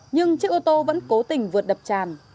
nhưng chiếc ô tô vẫn cố tình vượt đập tràn